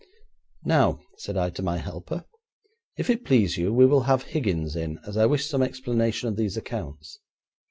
'Now,' said I to my helper, 'if it please you, we will have Higgins in, as I wish some explanation of these accounts.'